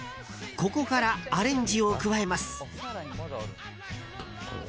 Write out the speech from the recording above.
ここからアレンジを加えます。